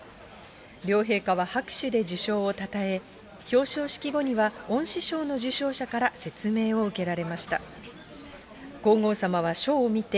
両陛下は拍手で受賞をたたえ、表彰式後には恩賜賞の受賞者から説明を受けられました。